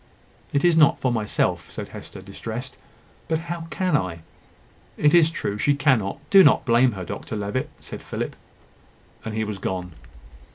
"It is not for myself," said Hester, distressed: "but how can I?" "It is true; she cannot. Do not blame her, Dr Levitt," said Philip; and he was gone.